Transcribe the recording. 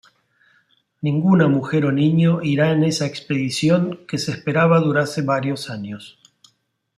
Ninguna mujer o niño irá en esa expedición que se esperaba durase varios años.